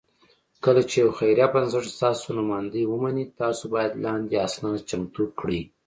کله چې یو خیري بنسټ ستاسو نوماندۍ ومني، تاسو باید لاندې اسناد چمتو کړئ: